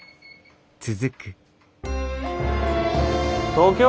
東京？